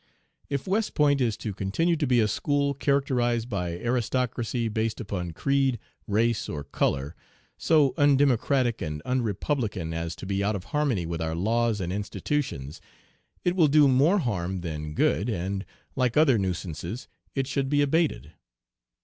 "If West Point is to continue to be a school characterized by aristocracy based upon creed, race, or color, so undemocratic and unrepublican as to be out of harmony with our laws and institutions, it will do more harm than good, and, like other nuisances, it should be abated.